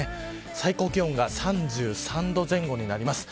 最高気温が３３度前後になります。